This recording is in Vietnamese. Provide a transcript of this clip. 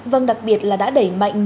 vâng đặc biệt là đã đẩy mạnh